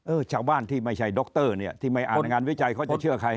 ชาวบ้านที่ไม่ใช่ดรเนี่ยที่ไม่อ่านงานวิจัยเขาจะเชื่อใคร